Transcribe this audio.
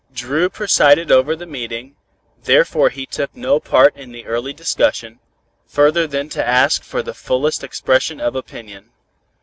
Dru presided over the meeting, therefore he took no part in the early discussion, further than to ask for the fullest expression of opinion.